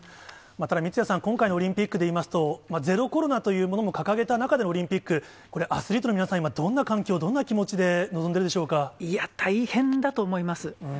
ただ、三屋さん、今回のオリンピックで言いますと、ゼロコロナというものを掲げた中でのオリンピック、これ、アスリートの皆さん、どんな環境、どんな気持ちで臨んでるでしょう大変だと思います。